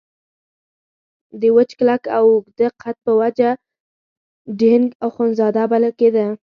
د وچ کلک او اوږده قد په وجه ډینګ اخندزاده بلل کېده.